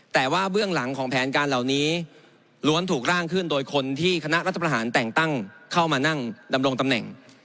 แต่ว่าเบื้องหลังของแผนการเหล่านี้ล้วนถูกร่างขึ้นโดยคนที่คณะรัฐประหารแต่งตั้งเข้ามานั่งดำรงตำแหน่ง